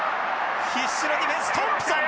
必死のディフェンストンプソン！